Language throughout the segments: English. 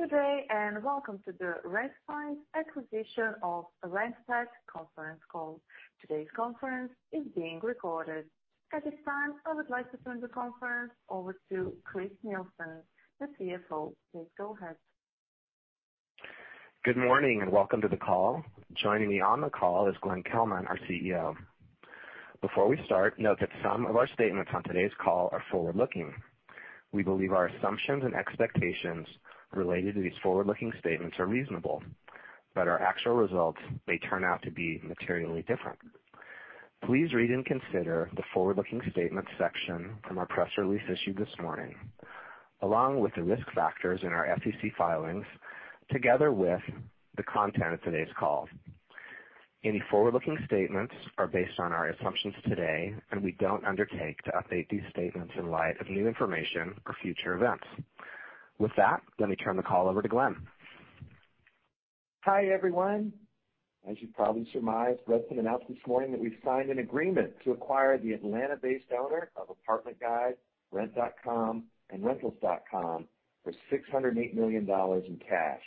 Good day, welcome to the Redfin acquisition of RentPath conference call. Today's conference is being recorded. At this time, I would like to turn the conference over to Chris Nielsen, the CFO. Please go ahead. Good morning, and welcome to the call. Joining me on the call is Glenn Kelman, our CEO. Before we start, note that some of our statements on today's call are forward-looking. We believe our assumptions and expectations related to these forward-looking statements are reasonable, but our actual results may turn out to be materially different. Please read and consider the forward-looking statements section from our press release issued this morning, along with the risk factors in our SEC filings, together with the content of today's call. Any forward-looking statements are based on our assumptions today, and we don't undertake to update these statements in light of new information or future events. With that, let me turn the call over to Glenn. Hi, everyone. As you probably surmised, Redfin announced this morning that we've signed an agreement to acquire the Atlanta-based owner of Apartment Guide, redfin.com, and rentals.com for $608 million in cash.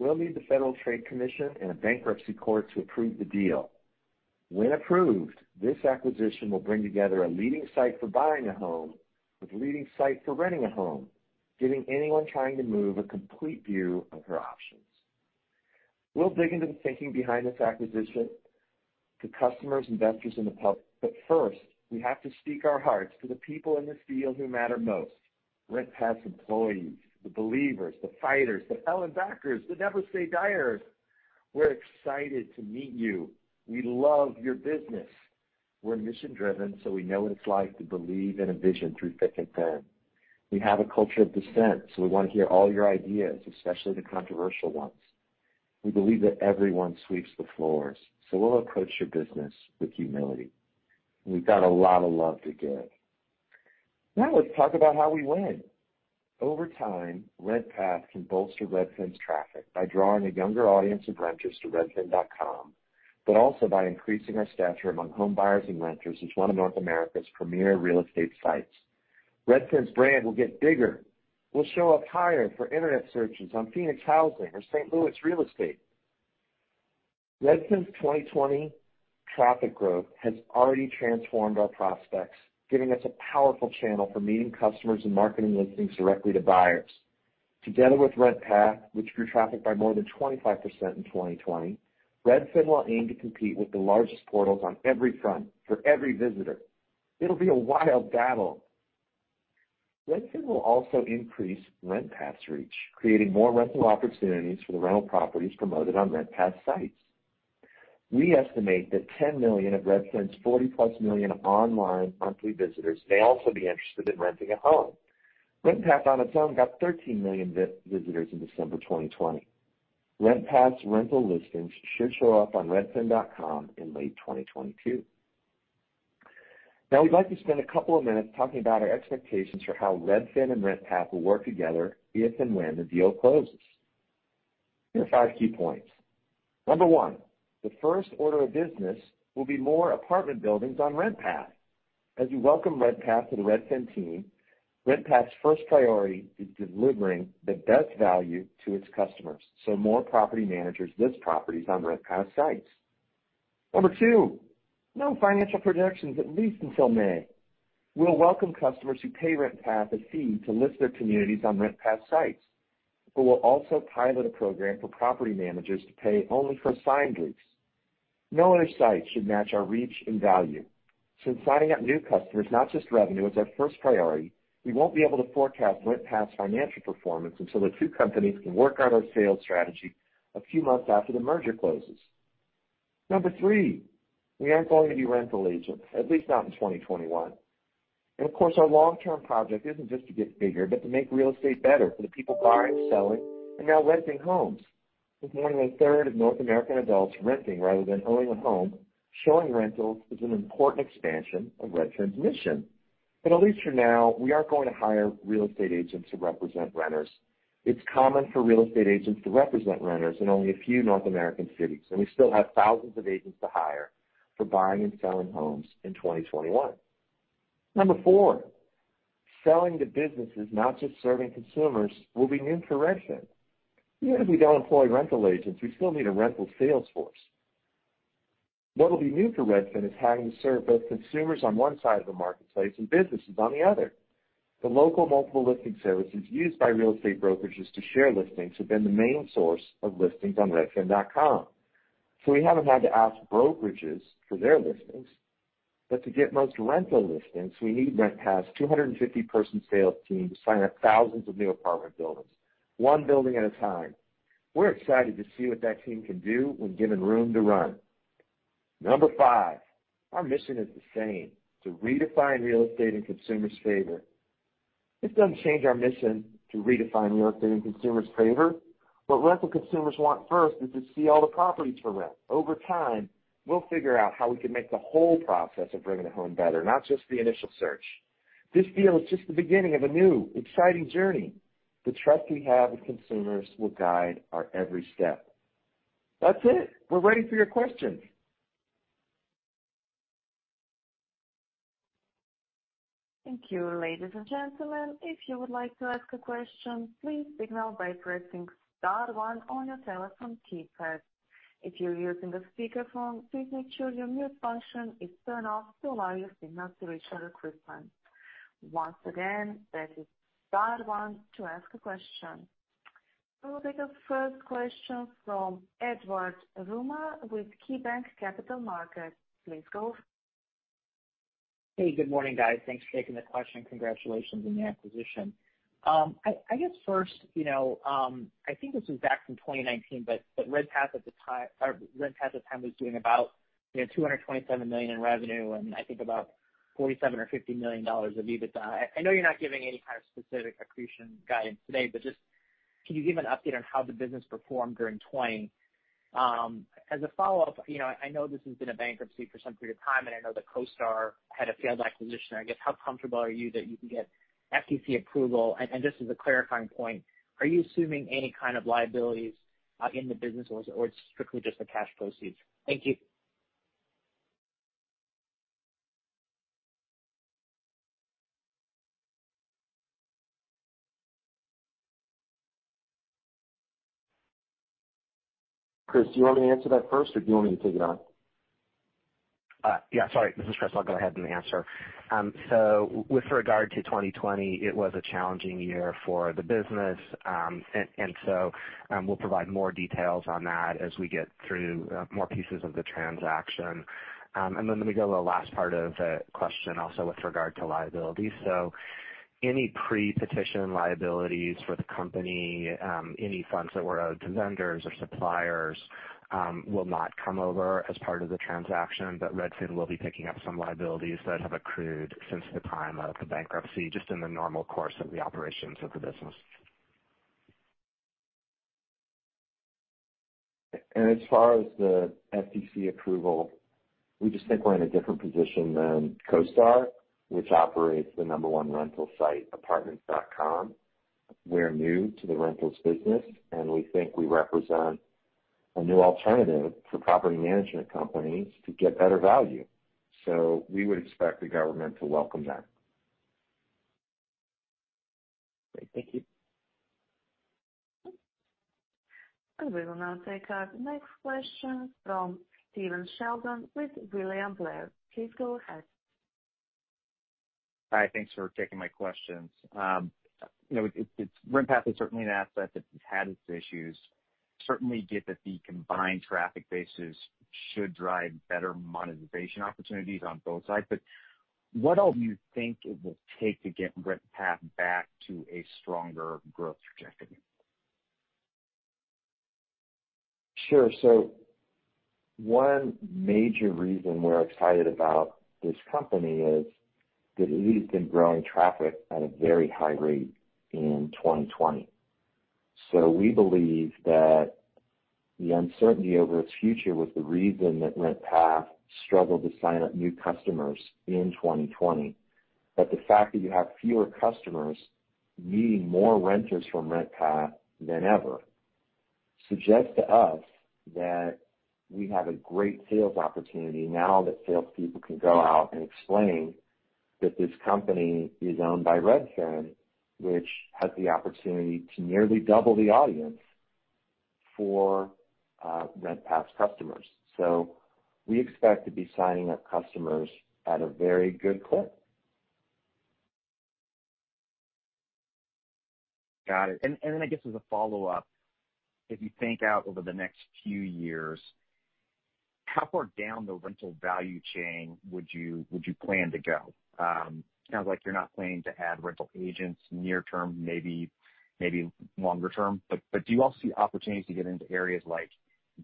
We'll need the Federal Trade Commission and a bankruptcy court to approve the deal. When approved, this acquisition will bring together a leading site for buying a home with a leading site for renting a home, giving anyone trying to move a complete view of her options. We'll dig into the thinking behind this acquisition to customers, investors, and the public. First, we have to speak our hearts to the people in this deal who matter most, RentPath employees, the believers, the fighters, the hell-and-backers, the never-say-die-ers. We're excited to meet you. We love your business. We're mission-driven, so we know what it's like to believe in a vision through thick and thin. We have a culture of dissent, so we want to hear all your ideas, especially the controversial ones. We believe that everyone sweeps the floors, so we'll approach your business with humility. We've got a lot of love to give. Now let's talk about how we win. Over time, RentPath can bolster Redfin's traffic by drawing a younger audience of renters to redfin.com, but also by increasing our stature among home buyers and renters as one of North America's premier real estate sites. Redfin's brand will get bigger. We'll show up higher for Internet searches on Phoenix housing or St. Louis real estate. Redfin's 2020 traffic growth has already transformed our prospects, giving us a powerful channel for meeting customers and marketing listings directly to buyers. Together with RentPath, which grew traffic by more than 25% in 2020, Redfin will aim to compete with the largest portals on every front for every visitor. It'll be a wild battle. Redfin will also increase RentPath's reach, creating more rental opportunities for the rental properties promoted on RentPath's sites. We estimate that 10 million of Redfin's 40-plus million online monthly visitors may also be interested in renting a home. RentPath on its own got 13 million visitors in December 2020. RentPath's rental listings should show up on redfin.com in late 2022. We'd like to spend a couple of minutes talking about our expectations for how Redfin and RentPath will work together if and when the deal closes. Here are five key points. Number one, the first order of business will be more apartment buildings on RentPath. As we welcome RentPath to the Redfin team, RentPath's first priority is delivering the best value to its customers, more property managers list properties on RentPath sites. Number two, no financial projections, at least until May. We'll welcome customers who pay RentPath a fee to list their communities on RentPath sites. We'll also pilot a program for property managers to pay only for signed leases. No other site should match our reach and value. Since signing up new customers, not just revenue, is our first priority, we won't be able to forecast RentPath's financial performance until the two companies can work out our sales strategy a few months after the merger closes. Number three, we aren't going to be rental agents, at least not in 2021. Of course, our long-term project isn't just to get bigger, but to make real estate better for the people buying, selling, and now renting homes. With more than a third of North American adults renting rather than owning a home, showing rentals is an important expansion of Redfin's mission. At least for now, we aren't going to hire real estate agents to represent renters. It's common for real estate agents to represent renters in only a few North American cities, and we still have thousands of agents to hire for buying and selling homes in 2021. Number four, selling to businesses, not just serving consumers, will be new to Redfin. Even if we don't employ rental agents, we still need a rental sales force. What will be new for Redfin is having to serve both consumers on one side of the marketplace and businesses on the other. The local Multiple Listing Services used by real estate brokerages to share listings have been the main source of listings on redfin.com. We haven't had to ask brokerages for their listings, but to get most rental listings, we need RentPath's 250-person sales team to sign up thousands of new apartment buildings, one building at a time. We're excited to see what that team can do when given room to run. Number five, our mission is the same, to redefine real estate in consumers' favor. This doesn't change our mission to redefine real estate in consumers' favor. What rental consumers want first is to see all the properties for rent. Over time, we'll figure out how we can make the whole process of renting a home better, not just the initial search. This deal is just the beginning of a new, exciting journey. The trust we have with consumers will guide our every step. That's it. We're ready for your questions. Thank you. Ladies and gentlemen, if you would like to ask a question, please signal by pressing star one on your telephone keypad. If you're using a speakerphone, please make sure your mute function is turned off to allow your signal to reach our equipment. Once again, that is star one to ask a question. We'll take our first question from Edward Yruma with KeyBanc Capital Markets. Please go. Hey, good morning, guys. Thanks for taking the question. Congratulations on the acquisition. I guess first, I think this was back from 2019, but RentPath at the time was doing about $227 million in revenue, and I think about $47 million or $50 million of EBITDA. I know you're not giving any kind of specific accretion guidance today, but just can you give an update on how the business performed during 2020? As a follow-up, I know this has been in bankruptcy for some period of time, and I know that CoStar had a failed acquisition. I guess, how comfortable are you that you can get FTC approval? Just as a clarifying point, are you assuming any kind of liabilities in the business, or it's strictly just the cash proceeds? Thank you. Chris, do you want me to answer that first, or do you want me to take it on? Yeah, sorry. This is Chris. I'll go ahead and answer. With regard to 2020, it was a challenging year for the business. We'll provide more details on that as we get through more pieces of the transaction. Let me go to the last part of the question also with regard to liability. Any pre-petition liabilities for the company, any funds that were owed to vendors or suppliers, will not come over as part of the transaction. Redfin will be picking up some liabilities that have accrued since the time of the bankruptcy, just in the normal course of the operations of the business. As far as the FTC approval, we just think we're in a different position than CoStar, which operates the number one rental site, apartments.com. We're new to the rentals business, and we think we represent a new alternative for property management companies to get better value. We would expect the government to welcome that. Great. Thank you. We will now take our next question from Stephen Sheldon with William Blair. Please go ahead. Hi, thanks for taking my questions. RentPath is certainly an asset that has had its issues. Certainly get that the combined traffic bases should drive better monetization opportunities on both sides, but what else do you think it will take to get RentPath back to a stronger growth trajectory? Sure. One major reason we're excited about this company is that it has been growing traffic at a very high rate in 2020. We believe that the uncertainty over its future was the reason that RentPath struggled to sign up new customers in 2020. The fact that you have fewer customers needing more renters from RentPath than ever suggests to us that we have a great sales opportunity now that salespeople can go out and explain that this company is owned by Redfin, which has the opportunity to nearly double the audience for RentPath's customers. We expect to be signing up customers at a very good clip. Got it. I guess as a follow-up, if you think out over the next few years, how far down the rental value chain would you plan to go? Sounds like you're not planning to add rental agents near term, maybe longer term. Do you also see opportunities to get into areas like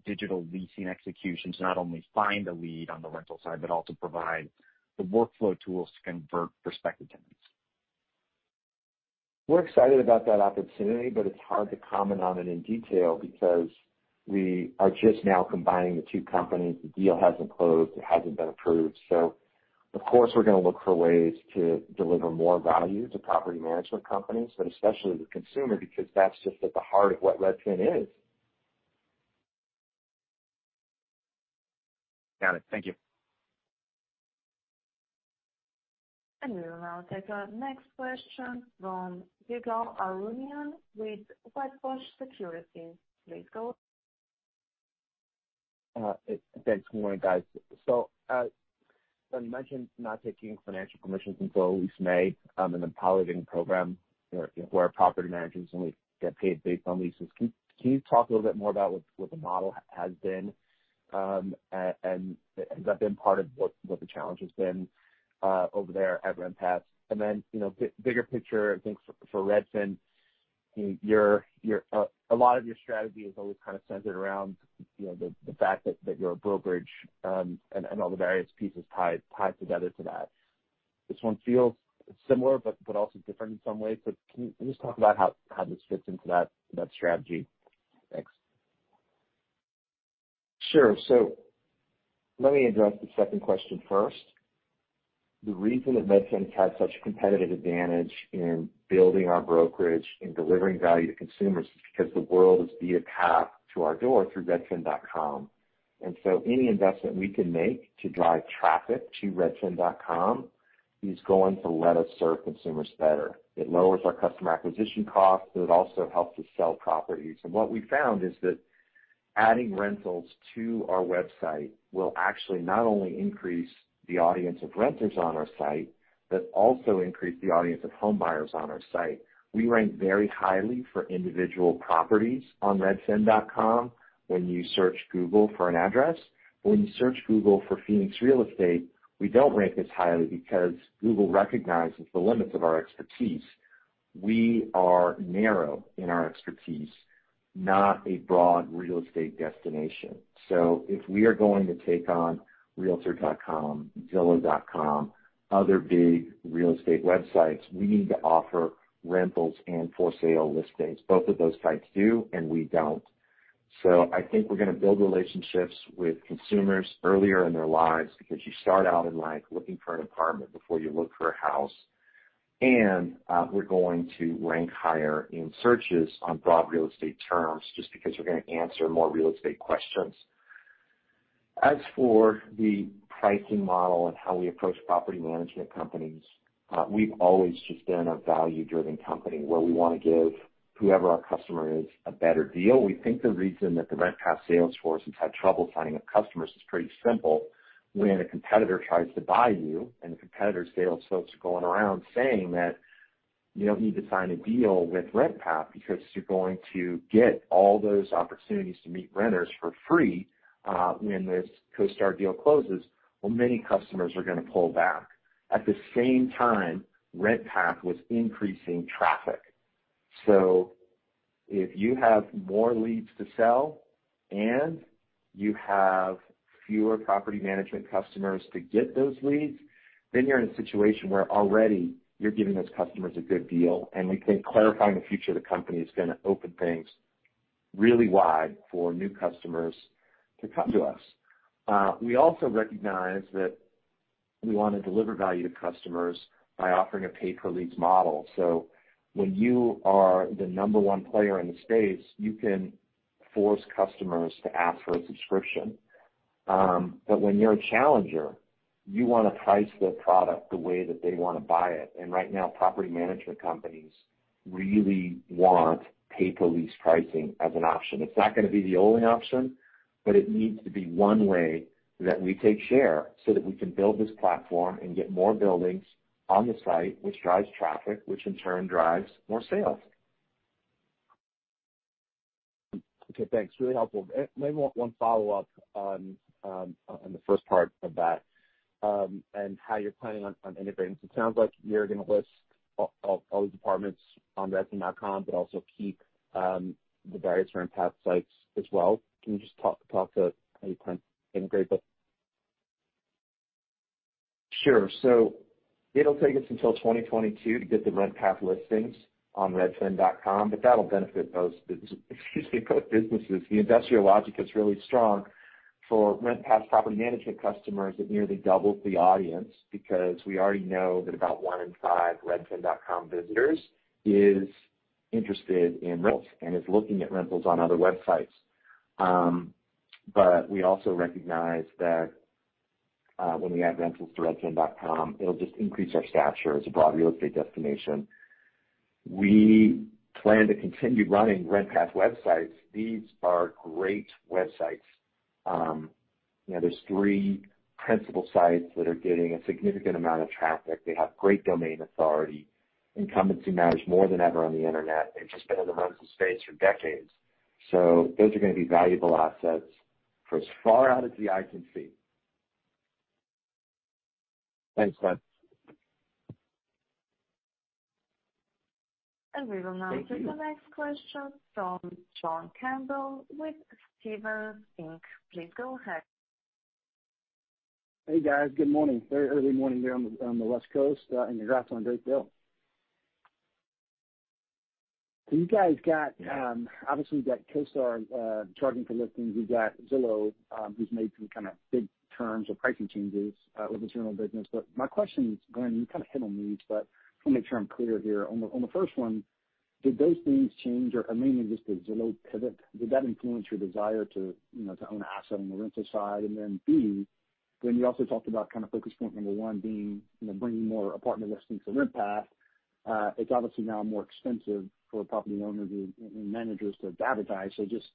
digital leasing execution to not only find a lead on the rental side, but also provide the workflow tools to convert prospective tenants? We're excited about that opportunity, but it's hard to comment on it in detail because we are just now combining the two companies. The deal hasn't closed. It hasn't been approved. Of course, we're going to look for ways to deliver more value to property management companies, but especially the consumer, because that's just at the heart of what Redfin is. Got it. Thank you. We will now take our next question from Ygal Arounian with Wedbush Securities. Please go. Thanks. Good morning, guys. You mentioned not taking financial projections until at least May, and then piloting a program where property managers only get paid based on leases. Can you talk a little bit more about what the model has been? Has that been part of what the challenge has been over there at RentPath? Bigger picture, I think for Redfin, a lot of your strategy is always kind of centered around the fact that you're a brokerage, and all the various pieces tied together to that. This one feels similar, but also different in some ways. Can you just talk about how this fits into that strategy? Thanks. Sure. Let me address the second question first. The reason that Redfin's had such a competitive advantage in building our brokerage and delivering value to consumers is because the world is beating a path to our door through redfin.com. Any investment we can make to drive traffic to redfin.com is going to let us serve consumers better. It lowers our customer acquisition costs, but it also helps us sell properties. What we found is that adding rentals to our website will actually not only increase the audience of renters on our site, but also increase the audience of home buyers on our site. We rank very highly for individual properties on redfin.com when you search Google for an address. When you search Google for Phoenix real estate, we don't rank as highly because Google recognizes the limits of our expertise. We are narrow in our expertise, not a broad real estate destination. If we are going to take on realtor.com, zillow.com, other big real estate websites, we need to offer rentals and for sale listings. Both of those sites do, and we don't. I think we're going to build relationships with consumers earlier in their lives, because you start out in life looking for an apartment before you look for a house. We're going to rank higher in searches on broad real estate terms just because we're going to answer more real estate questions. As for the pricing model and how we approach property management companies, we've always just been a value-driven company, where we want to give whoever our customer is a better deal. We think the reason that the RentPath sales force has had trouble signing up customers is pretty simple. When a competitor tries to buy you, and the competitor's sales folks are going around saying that you don't need to sign a deal with RentPath because you're going to get all those opportunities to meet renters for free, when this CoStar deal closes, well, many customers are gonna pull back. At the same time, RentPath was increasing traffic. If you have more leads to sell and you have fewer property management customers to get those leads, then you're in a situation where already you're giving those customers a good deal, and we think clarifying the future of the company is gonna open things really wide for new customers to come to us. We also recognize that we want to deliver value to customers by offering a pay-per-leads model. When you are the number one player in the space, you can force customers to ask for a subscription. When you're a challenger, you want to price the product the way that they want to buy it. Right now, property management companies really want pay-per-lease pricing as an option. It's not gonna be the only option, but it needs to be one way that we take share so that we can build this platform and get more buildings on the site, which drives traffic, which in turn drives more sales. Okay, thanks. Really helpful. Maybe one follow-up on the first part of that, and how you're planning on integrating. It sounds like you're gonna list all the apartments on redfin.com, but also keep the various RentPath sites as well. Can you just talk to how you plan to integrate those? Sure. It'll take us until 2022 to get the RentPath listings on redfin.com, but that'll benefit both businesses. The industrial logic is really strong for RentPath property management customers. It nearly doubles the audience because we already know that about one in five redfin.com visitors is interested in rentals and is looking at rentals on other websites. We also recognize that, when we add rentals to redfin.com, it'll just increase our stature as a broad real estate destination. We plan to continue running RentPath websites. These are great websites. There's three principal sites that are getting a significant amount of traffic. They have great domain authority. Incumbency matters more than ever on the Internet. They've just been in the rental space for decades. Those are gonna be valuable assets for as far out as the eye can see. Thanks, Glenn. Thank you. take the next question from John Campbell with Stephens Inc. Please go ahead. Hey, guys. Good morning. Very early morning here on the West Coast, and congrats on a great deal. Yeah You guys got, obviously, you've got CoStar charging for listings. You've got Zillow, who's made some kind of big terms or pricing changes with the rental business. My question is, Glenn, you kind of hit on these, but just want to make sure I'm clear here. On the first one, did those things change, or mainly just the Zillow pivot, did that influence your desire to own an asset on the rental side? Then B, Glenn, you also talked about focus point number one being bringing more apartment listings to RentPath. It's obviously now more expensive for property owners and managers to advertise. Just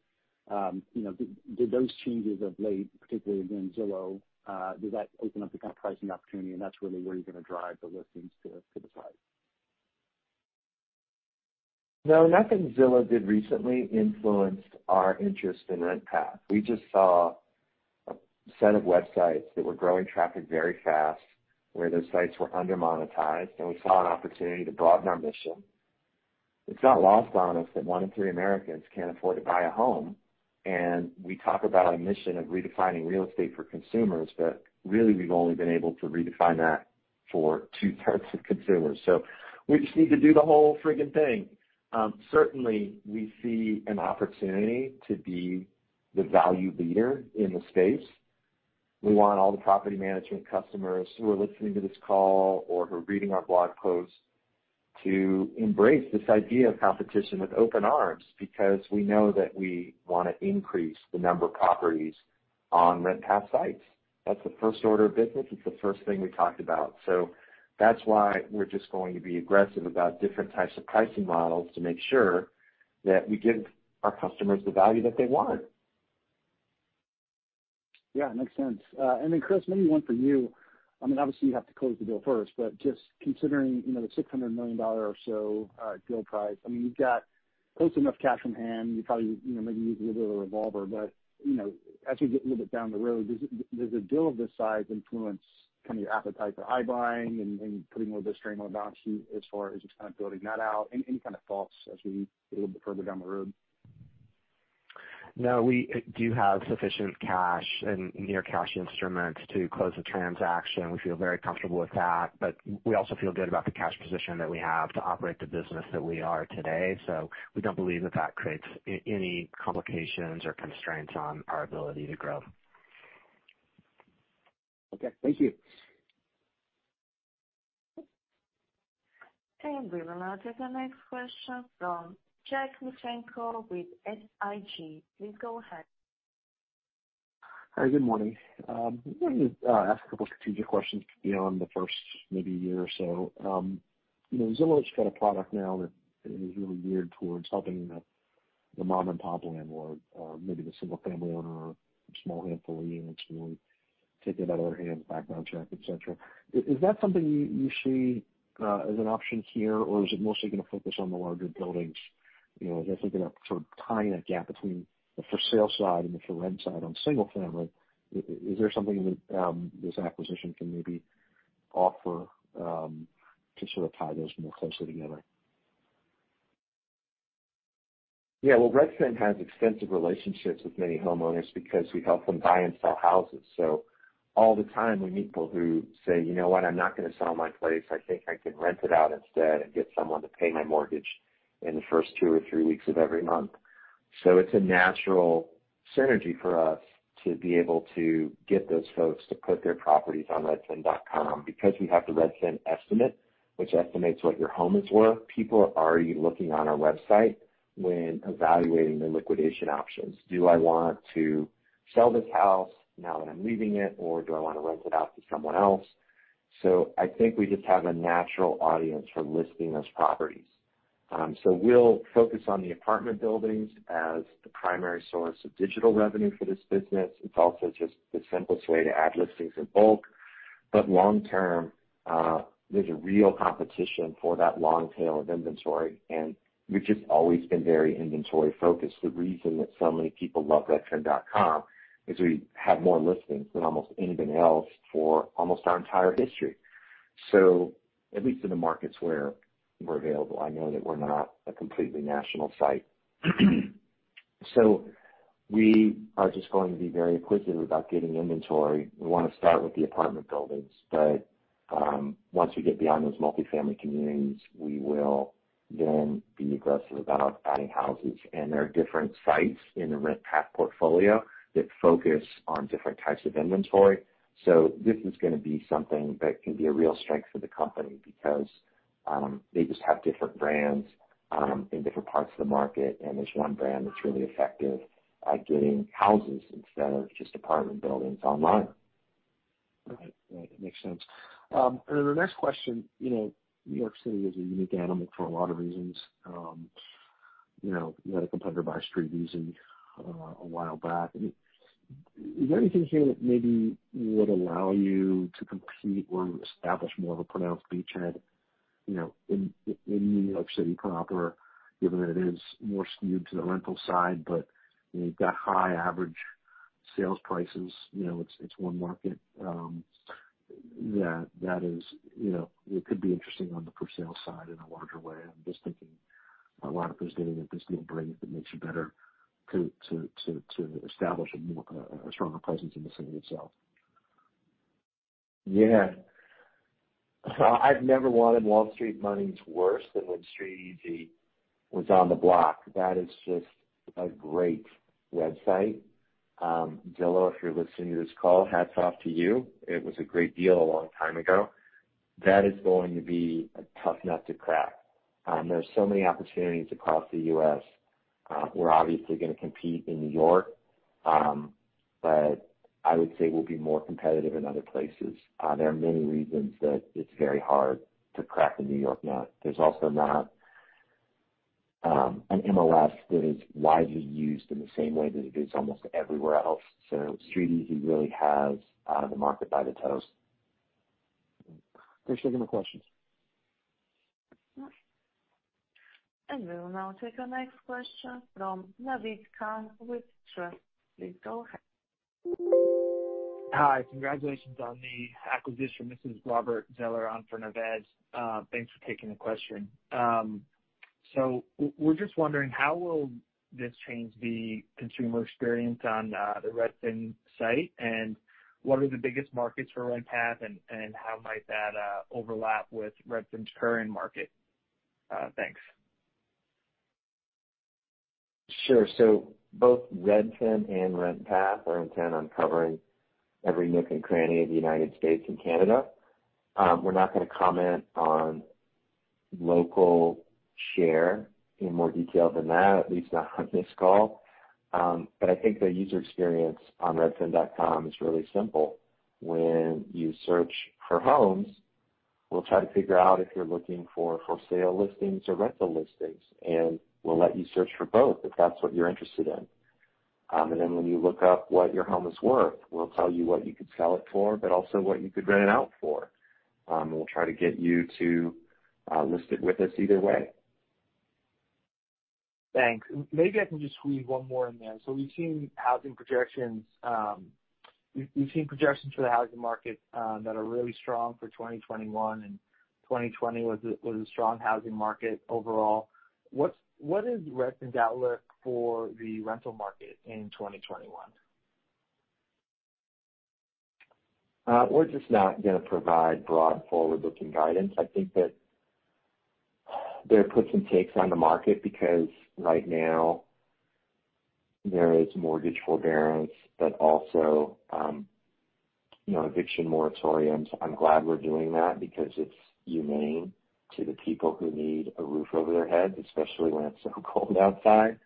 did those changes of late, particularly again, Zillow, did that open up the kind of pricing opportunity, and that's really where you're gonna drive the listings to the site? No, nothing Zillow did recently influenced our interest in RentPath. We just saw a set of websites that were growing traffic very fast, where those sites were under-monetized, and we saw an opportunity to broaden our mission. It's not lost on us that one in three Americans can't afford to buy a home, and we talk about our mission of redefining real estate for consumers, but really, we've only been able to redefine that for 2/3 of consumers. We just need to do the whole freaking thing. Certainly, we see an opportunity to be the value leader in the space. We want all the property management customers who are listening to this call or who are reading our blog posts to embrace this idea of competition with open arms, because we know that we want to increase the number of properties on RentPath sites. That's the first order of business. It's the first thing we talked about. That's why we're just going to be aggressive about different types of pricing models to make sure that we give our customers the value that they want. Yeah, makes sense. Then Chris, maybe one for you. Obviously, you have to close the deal first, but just considering the $600 million or so deal price, you've got close enough cash on hand. You probably maybe use a little bit of a revolver. As we get a little bit down the road, does a deal of this size influence your appetite for iBuying and putting more of this strain on the balance sheet as far as just building that out? Any kind of thoughts as we get a little bit further down the road? We do have sufficient cash and near-cash instruments to close the transaction. We feel very comfortable with that, but we also feel good about the cash position that we have to operate the business that we are today. We don't believe that that creates any complications or constraints on our ability to grow. Okay, thank you. We will now take the next question from Jack Micenko with SIG. Please go ahead. Hi, good morning. I wanted to ask a couple of strategic questions beyond the first maybe year or so. Zillow has got a product now that is really geared towards helping the mom-and-pop landlord or maybe the single-family owner or small handful of units who take it out of their hands, background check, et cetera. Is that something you see as an option here, or is it mostly going to focus on the larger buildings? As I think about tying that gap between the for-sale side and the for-rent side on single family, is there something this acquisition can maybe offer to sort of tie those more closely together? Yeah. Well, Redfin has extensive relationships with many homeowners because we help them buy and sell houses. All the time we meet people who say, "You know what? I'm not going to sell my place. I think I can rent it out instead and get someone to pay my mortgage in the first two or three weeks of every month." It's a natural synergy for us to be able to get those folks to put their properties on redfin.com because we have the Redfin Estimate, which estimates what your home is worth. People are already looking on our website when evaluating their liquidation options. Do I want to sell this house now that I'm leaving it, or do I want to rent it out to someone else? I think we just have a natural audience for listing those properties. We'll focus on the apartment buildings as the primary source of digital revenue for this business. It's also just the simplest way to add listings in bulk. Long term, there's a real competition for that long tail of inventory, and we've just always been very inventory-focused. The reason that so many people love redfin.com is we have more listings than almost anything else for almost our entire history. At least in the markets where we're available, I know that we're not a completely national site. We are just going to be very aggressive about getting inventory. We want to start with the apartment buildings, but once we get beyond those multi-family communities, we will then be aggressive about adding houses. There are different sites in the RentPath portfolio that focus on different types of inventory. This is going to be something that can be a real strength for the company because they just have different brands in different parts of the market, and there's one brand that's really effective at getting houses instead of just apartment buildings online. Right. That makes sense. The next question, New York City is a unique animal for a lot of reasons. You had a competitor buy StreetEasy a while back. Is there anything here that maybe would allow you to compete or establish more of a pronounced beachhead in New York City proper, given that it is more skewed to the rental side? You've got high average sales prices. It's one market that could be interesting on the for sale side in a larger way. I'm just thinking a lot of this data that this deal brings that makes you better to establish a stronger presence in the city itself. Yeah. I've never wanted Wall Street money worse than when StreetEasy was on the block. That is just a great website. Zillow, if you're listening to this call, hats off to you. It was a great deal a long time ago. That is going to be a tough nut to crack. There's many opportunities across the U.S. We're obviously going to compete in New York, but I would say we'll be more competitive in other places. There are many reasons that it's very hard to crack the New York nut. There's also not an MLS that is widely used in the same way that it is almost everywhere else. StreetEasy really has the market by the toes. Appreciate it. No more questions. We will now take our next question from Naved Khan with Truist. Please go ahead. Hi, congratulations on the acquisition. This is Robert Zeller on for Naved. Thanks for taking the question. We're just wondering how will this change the consumer experience on the Redfin site, and what are the biggest markets for RentPath, and how might that overlap with Redfin's current market? Thanks. Sure. Both Redfin and RentPath are intent on covering every nook and cranny of the United States and Canada. We're not going to comment on local share in more detail than that, at least not on this call. I think the user experience on redfin.com is really simple. When you search for homes, we'll try to figure out if you're looking for for-sale listings or rental listings, and we'll let you search for both if that's what you're interested in. When you look up what your home is worth, we'll tell you what you could sell it for, but also what you could rent it out for. We'll try to get you to list it with us either way. Thanks. Maybe I can just squeeze one more in there. We've seen projections for the housing market that are really strong for 2021, and 2020 was a strong housing market overall. What is Redfin's outlook for the rental market in 2021? We're just not going to provide broad forward-looking guidance. I think that there are puts and takes on the market, because right now there is mortgage forbearance, but also eviction moratoriums. I'm glad we're doing that because it's humane to the people who need a roof over their head, especially when it's so cold outside.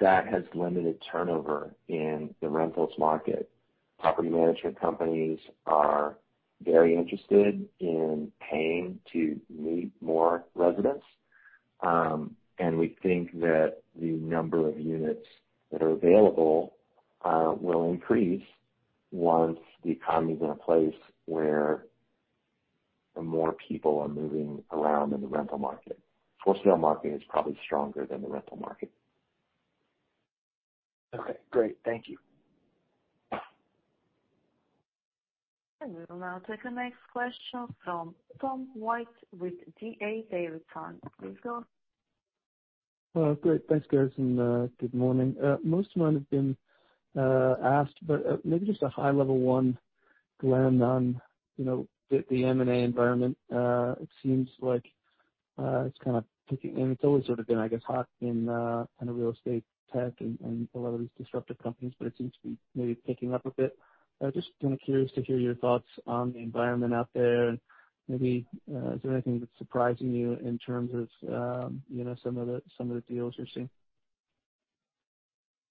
That has limited turnover in the rentals market. Property management companies are very interested in paying to meet more residents. We think that the number of units that are available will increase once the economy is in a place where more people are moving around in the rental market. For-sale market is probably stronger than the rental market. Okay, great. Thank you. We will now take the next question from Tom White with D.A. Davidson. Please go ahead. Great. Thanks, guys, and good morning. Most of mine have been asked, but maybe just a high-level one, Glenn, on the M&A environment. It seems like it's kind of picking, and it's always sort of been, I guess, hot in real estate tech and a lot of these disruptive companies, but it seems to be maybe picking up a bit. Just kind of curious to hear your thoughts on the environment out there, and maybe is there anything that's surprising you in terms of some of the deals you're seeing?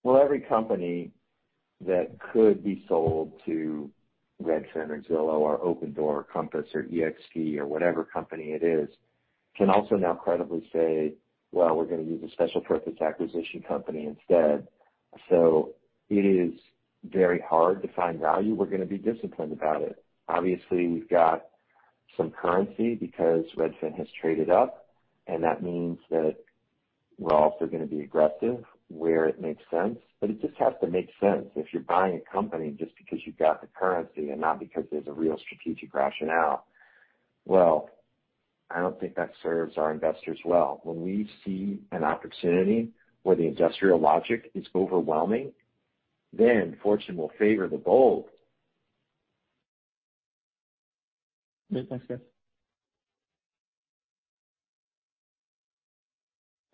Well, every company that could be sold to Redfin or Zillow or Opendoor or Compass or eXp or whatever company it is, can also now credibly say, "Well, we're going to use a special purpose acquisition company instead." It is very hard to find value. We're going to be disciplined about it. Obviously, we've got some currency because Redfin has traded up, and that means that we're also going to be aggressive where it makes sense, but it just has to make sense. If you're buying a company just because you got the currency and not because there's a real strategic rationale, well, I don't think that serves our investors well. When we see an opportunity where the industrial logic is overwhelming, then fortune will favor the bold. Great. Thanks, guys.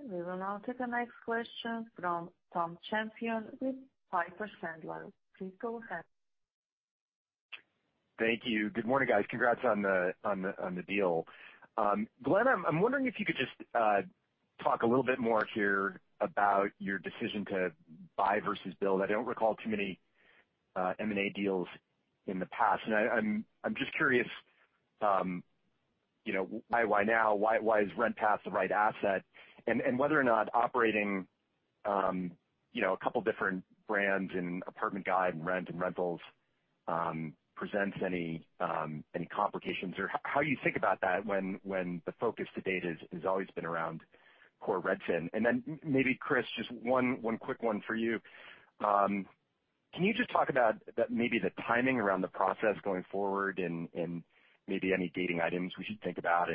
We will now take the next question from Tom Champion with Piper Sandler. Please go ahead. Thank you. Good morning, guys. Congrats on the deal. Glenn Kelman, I'm wondering if you could just talk a little bit more here about your decision to buy versus build. I don't recall too many M&A deals in the past, and I'm just curious why now, why is RentPath the right asset, and whether or not operating a couple different brands in Apartment Guide and Rent and Rentals presents any complications, or how you think about that when the focus to date has always been around core Redfin. Then maybe, Chris Nielsen, just one quick one for you. Can you just talk about maybe the timing around the process going forward and maybe any gating items we should think about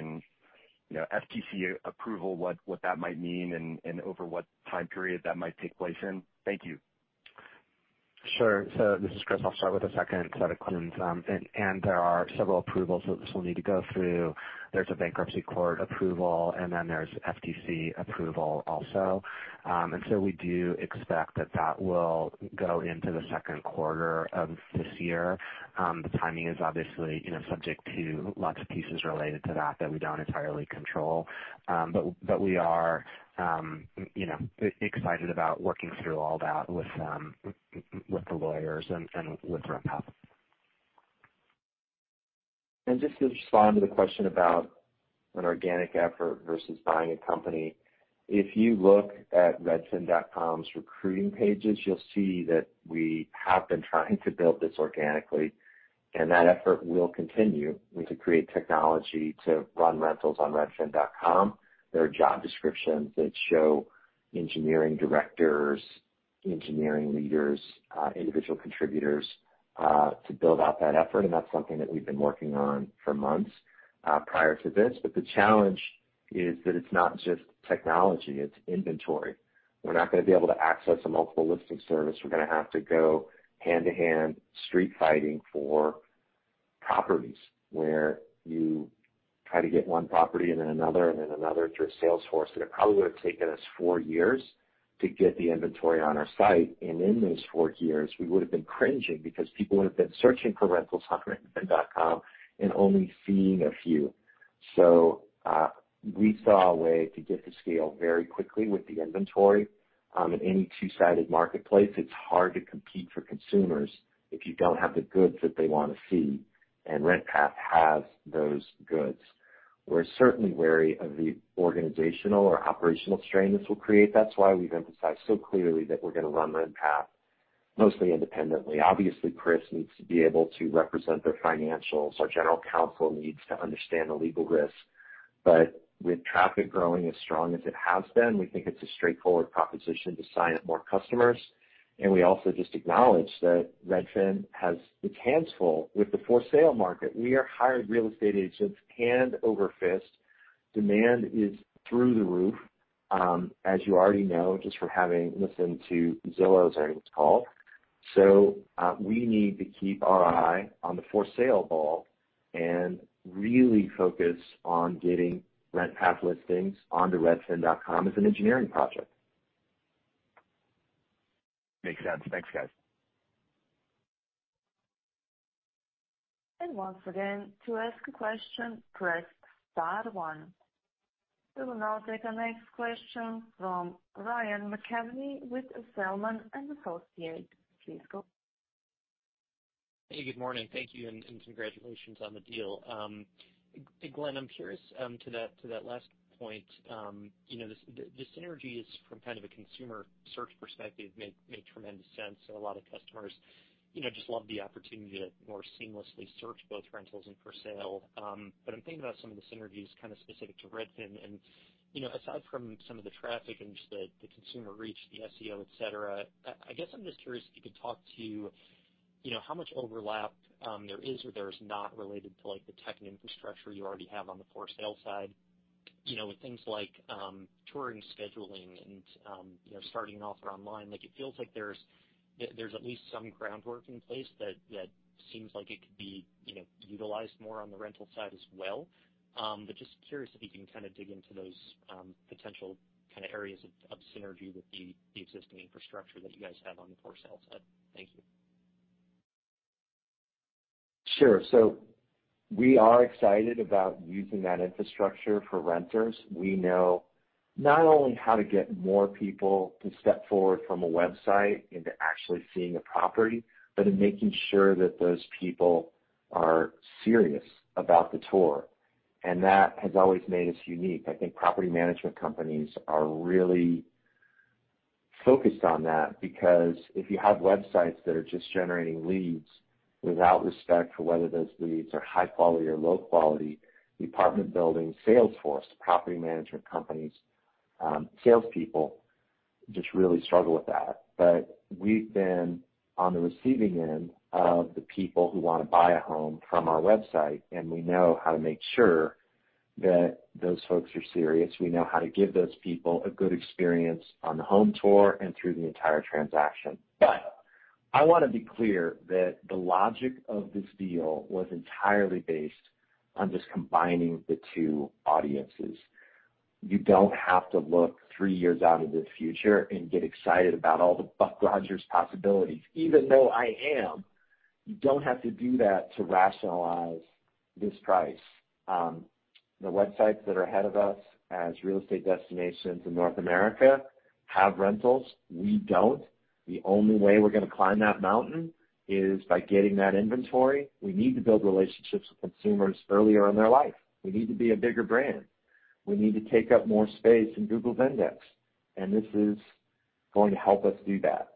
and FTC approval, what that might mean and over what time period that might take place in? Thank you. Sure. This is Chris. I'll start with the second set of questions. There are several approvals that this will need to go through. There's a bankruptcy court approval, there's FTC approval also. We do expect that that will go into the second quarter of this year. The timing is obviously subject to lots of pieces related to that that we don't entirely control. We are excited about working through all that with the lawyers and with RentPath. Just to respond to the question about an organic effort versus buying a company. If you look at redfin.com's recruiting pages, you'll see that we have been trying to build this organically, and that effort will continue to create technology to run rentals on redfin.com. There are job descriptions that show engineering directors, engineering leaders, individual contributors, to build out that effort, that's something that we've been working on for months prior to this. The challenge is that it's not just technology, it's inventory. We're not going to be able to access a Multiple Listing Service. We're going to have to go hand-to-hand, street fighting for properties where you try to get one property and then another and then another through a sales force. It probably would have taken us four years to get the inventory on our site. In those four years, we would have been cringing because people would have been searching for rentals on rent.com and only seeing a few. We saw a way to get to scale very quickly with the inventory. In any two-sided marketplace, it's hard to compete for consumers if you don't have the goods that they want to see, and RentPath has those goods. We're certainly wary of the organizational or operational strain this will create. That's why we've emphasized so clearly that we're going to run RentPath mostly independently. Obviously, Chris needs to be able to represent their financials. Our general counsel needs to understand the legal risks. With traffic growing as strong as it has been, we think it's a straightforward proposition to sign up more customers. We also just acknowledge that Redfin has its hands full with the for sale market. We are hiring real estate agents hand over fist. Demand is through the roof. As you already know, just from having listened to Zillow's earnings call. We need to keep our eye on the for sale ball and really focus on getting RentPath listings onto redfin.com as an engineering project. Makes sense. Thanks, guys. Once again, to ask a question, press star one. We will now take our next question from Ryan McKeveny with Zelman & Associates. Please go ahead. Hey, good morning. Thank you. Congratulations on the deal. Glenn, I'm curious to that last point. The synergy is from kind of a consumer search perspective, make tremendous sense that a lot of customers just love the opportunity to more seamlessly search both rentals and for sale. I'm thinking about some of the synergies kind of specific to Redfin. Aside from some of the traffic and just the consumer reach, the SEO, et cetera, I guess I'm just curious if you could talk to how much overlap there is or there is not related to the tech and infrastructure you already have on the for sale side. With things like touring, scheduling, and starting an offer online. It feels like there's at least some groundwork in place that seems like it could be utilized more on the rental side as well. Just curious if you can kind of dig into those potential kind of areas of synergy with the existing infrastructure that you guys have on the for sale side. Thank you. Sure. We are excited about using that infrastructure for renters. We know not only how to get more people to step forward from a website into actually seeing a property, but in making sure that those people are serious about the tour. That has always made us unique. I think property management companies are really focused on that, because if you have websites that are just generating leads without respect for whether those leads are high quality or low quality, the apartment building sales force, property management companies' salespeople just really struggle with that. We've been on the receiving end of the people who want to buy a home from our website, and we know how to make sure that those folks are serious. We know how to give those people a good experience on the home tour and through the entire transaction. I want to be clear that the logic of this deal was entirely based on just combining the two audiences. You don't have to look three years out into the future and get excited about all the Buck Rogers possibilities. Even though I am, you don't have to do that to rationalize this price. The websites that are ahead of us as real estate destinations in North America have rentals. We don't. The only way we're going to climb that mountain is by getting that inventory. We need to build relationships with consumers earlier in their life. We need to be a bigger brand. We need to take up more space in Google's index, and this is going to help us do that.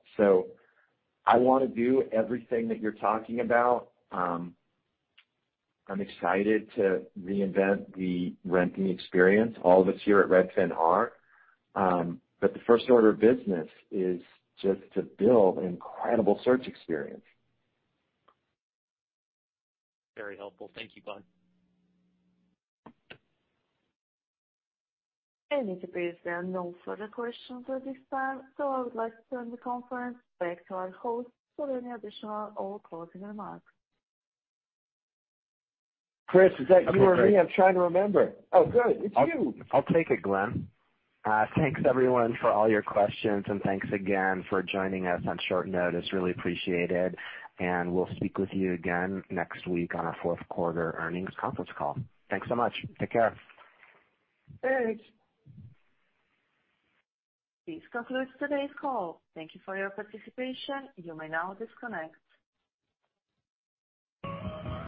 I want to do everything that you're talking about. I'm excited to reinvent the renting experience. All of us here at Redfin are. The first order of business is just to build an incredible search experience. Very helpful. Thank you, Glenn. It appears there are no further questions at this time. I would like to turn the conference back to our host for any additional or closing remarks. Chris, is that you or me? I'm trying to remember. Oh, good. It's you. I'll take it, Glenn. Thanks everyone for all your questions, and thanks again for joining us on short notice. Really appreciate it, and we'll speak with you again next week on our fourth quarter earnings conference call. Thanks so much. Take care. Thanks. This concludes today's call. Thank you for your participation. You may now disconnect.